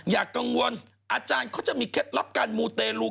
อย่ากังวลอาจารย์เขาจะมีเคล็ดลับการมูเตลู